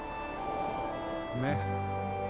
ねっ。